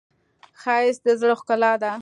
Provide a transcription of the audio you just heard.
ښایست د زړه ښکلا ده